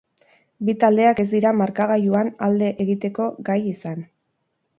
Bi taldeak ez dira markagailuan alde egiteko gai izan.